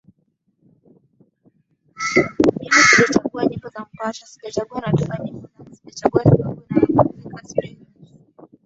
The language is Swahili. Mimi sijatunga nyimbo ya mpasho Sijatunga Natunga nyimbo zangu sichagui sibagui atayenizika simjui Sina